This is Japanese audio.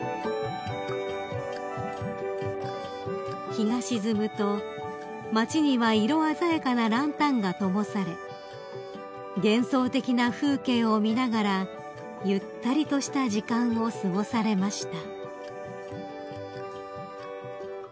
［日が沈むと町には色鮮やかなランタンが灯され幻想的な風景を見ながらゆったりとした時間を過ごされました］